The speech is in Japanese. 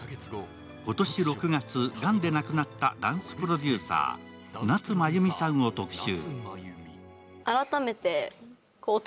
今年６月、がんで亡くなったダンスプロデューサー、夏まゆみさんを特集。